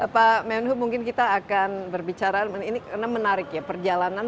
pak menhu mungkin kita akan berbicara ini karena menarik ya perjalanan